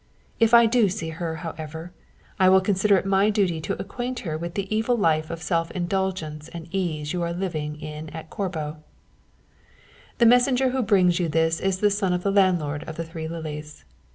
If I do see her, however, I will consider it my duty to acquaint her with the evil life of self indulgence and ease you are living in Corbo._ "_The messenger who brings you this is the son of the landlord of The Three Lilies.